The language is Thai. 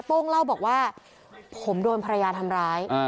โป้งเล่าบอกว่าผมโดนภรรยาทำร้าย